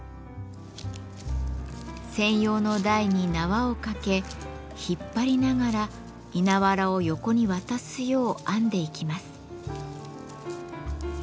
専用の台に縄をかけ引っ張りながら稲わらを横に渡すよう編んでいきます。